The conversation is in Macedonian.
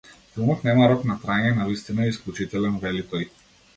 Филмот нема рок на траење, навистина е исклучителен, вели тој.